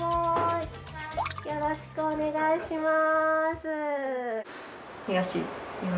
よろしくお願いします。